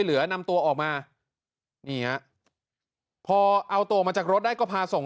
เหลือนำตัวออกมานี่ฮะพอเอาตัวออกมาจากรถได้ก็พาส่ง